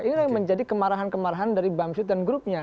inilah yang menjadi kemarahan kemarahan dari bamsud dan grupnya